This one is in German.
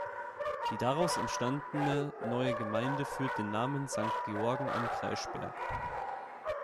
Die daraus entstandene neue Gemeinde führt den Namen Sankt Georgen am Kreischberg.